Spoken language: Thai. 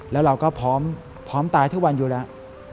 แล้วเราก็พร้อมตายทุกวันอยู่แล้ว